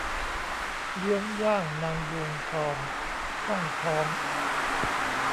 เยื้องย่างนางยูงทอง ท่องท้อง